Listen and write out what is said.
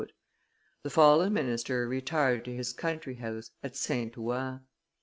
The fallen minister retired to his country house at St. Ouen.